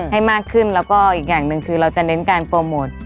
ให้มากขึ้นแล้วก็อีกอย่างหนึ่งคือเราจะเน้นการโปรโมท